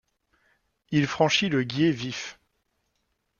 Il franchit le Guiers Vif.